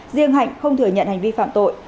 riêng hạnh không thừa nhận hành vi phạm tội